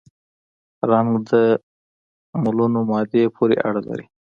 رنګ د ملونه مادې پورې اړه لري.